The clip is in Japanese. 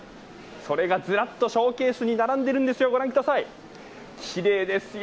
それがずらっとショーケースに並んでいるんですよ。